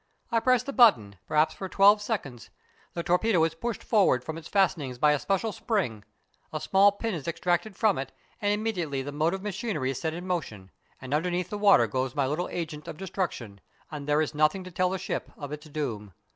I press the button perhaps for twelve seconds. The torpedo is pushed forward from its fastenings by a special spring, a small pin is extracted from it, and immediately the motive machinery is set in motion, and underneath the water goes my little agent of destruction, and there is nothing to tell the ship of its doom.